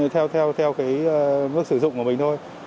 theo cái mức sử dụng của mình thôi